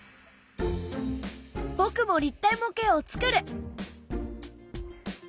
僕も立体模型を作る！